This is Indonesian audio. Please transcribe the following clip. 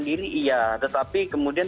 diri iya tetapi kemudian